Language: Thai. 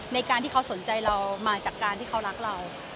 ในการที่เขาสนใจเรามาจากการที่เขารักเรา